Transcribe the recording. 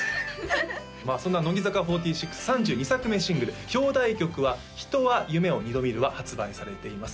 まあそんな乃木坂４６３２作目シングル表題曲は「人は夢を二度見る」は発売されています